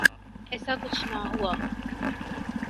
ایسا کچھ نہ ہوا۔